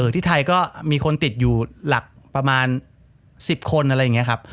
ที่ไทยก็มีคนติดอยู่หลักประมาณ๑๐คนอะไรอย่างนี้ครับ